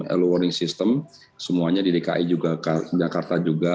alarm system semuanya di dki jakarta juga